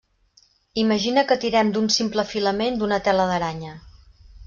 Imagina que tirem d'un simple filament d'una tela d'aranya.